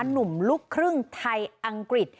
หนุ่มลูกครึ่งไทยอังกฤษ